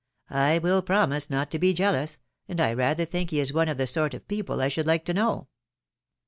I will promise not to be jealous, and I rather think he is one of the sort of people I should hke to know."